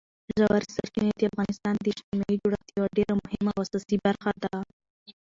ژورې سرچینې د افغانستان د اجتماعي جوړښت یوه ډېره مهمه او اساسي برخه ده.